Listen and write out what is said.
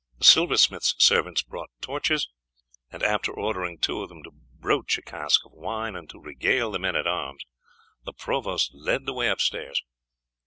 The silversmith's servants brought torches, and after ordering two of them to broach a cask of wine and to regale the men at arms, the provost led the way upstairs.